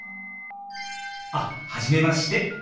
あっ初めまして。